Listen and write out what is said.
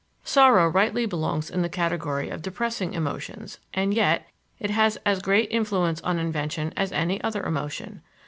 Sorrow rightly belongs in the category of depressing emotions, and yet, it has as great influence on invention as any other emotion.